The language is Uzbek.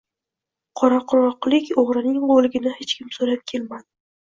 Qoraquroqlik o‘g‘rining o‘ligini hech kim so‘rab kelmadi.